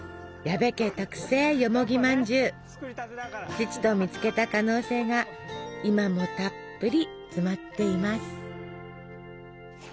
父と見つけた可能性が今もたっぷり詰まっています。